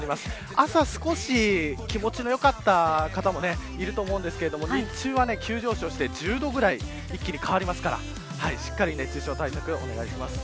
朝少し気持ちのよかった方もいると思うんですが日中は急上昇して１０度ぐらい一気に変わりますからしっかり熱中症対策をお願いします。